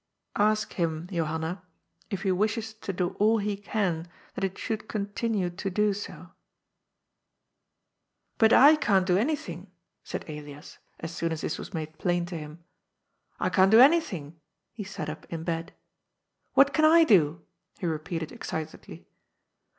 Ask him, Johanna, if he wishes to do all he can that it should continue to do so ?"" But I can't do anything," said Elias, as soon as this was made plain to him. " I can't do anything." He sat up in bed. " What can I do ?" he repeated excitedly.